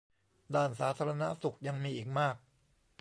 ด้านสาธารณสุขยังมีอีกมาก